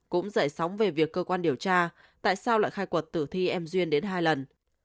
cũng dậy sóng về việc cơ quan điều tra tại sao lại khai quật tử thi em duyên đến hai lần